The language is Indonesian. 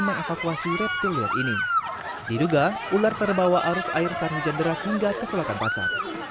apakuasi reptil ini diduga ular terbawa arus air sarni jendera hingga ke selatan pasar